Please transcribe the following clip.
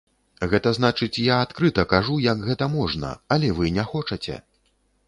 Гэта значыць, я адкрыта кажу, як гэта можна, але вы не хочаце!